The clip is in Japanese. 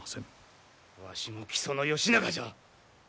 わしも木曽の義仲じゃ。